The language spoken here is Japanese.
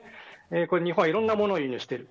日本はいろんなものを輸入している。